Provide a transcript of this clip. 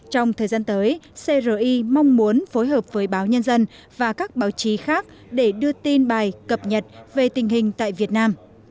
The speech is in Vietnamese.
trong thời gian tới cri mong muốn phối hợp với báo nhân dân và các báo chí khác để đưa tin bài cập nhật về tình hình tại việt nam